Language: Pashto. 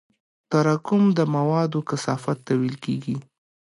تراکم د موادو کثافت ته ویل کېږي.